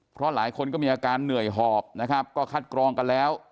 เพราะหลายคนก็มีอาการเหนื่อยหอบนะครับก็คัดกรองกันแล้ว